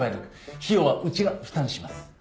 費用はうちが負担します。